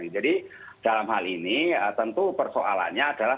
dalam hal ini tentu persoalannya adalah